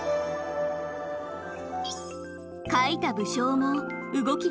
描いた武将も動きだす！